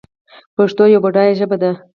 پښتو یوه بډایه ژبه ده.